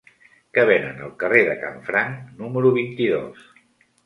Què venen al carrer de Canfranc número vint-i-dos?